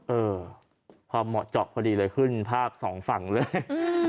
เออพอเหมาะเจาะพอดีเลยขึ้นภาพสองฝั่งเลย